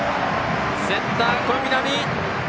センターの小南！